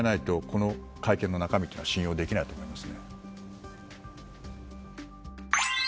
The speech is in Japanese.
この会見の中身は信用できないと思います。